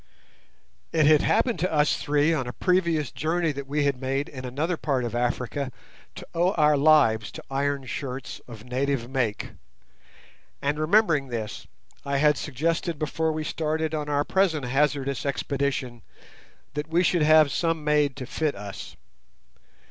It had happened to us three on a previous journey that we had made in another part of Africa to owe our lives to iron shirts of native make, and remembering this, I had suggested before we started on our present hazardous expedition that we should have some made to fit us.